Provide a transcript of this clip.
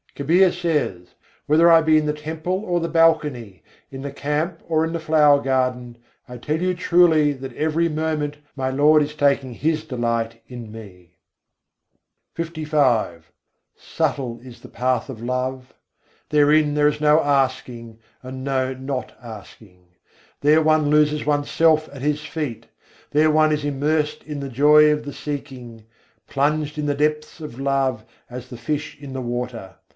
Kabîr says: "Whether I be in the temple or the balcony, in the camp or in the flower garden, I tell you truly that every moment my Lord is taking His delight in me." LV I. 73. bhakti kâ mârag jhînâ re Subtle is the path of love! Therein there is no asking and no not asking, There one loses one's self at His feet, There one is immersed in the joy of the seeking: plunged in the deeps of love as the fish in the water.